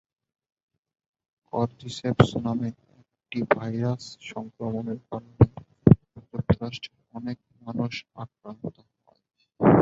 Cordyceps নামের একটি virus সংক্রমণের কারণে যুক্তরাষ্ট্রের অনেক মানুষ আক্রান্ত হয়।